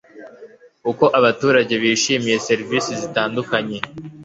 uko abaturage bishimiye serivisi zitandukanye